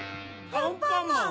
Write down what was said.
アンパンマン！